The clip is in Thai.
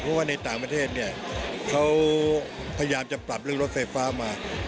เพราะว่าในต่างประเทศเนี่ยเขาพยายามจะปรับเรื่องรถไฟฟ้ามา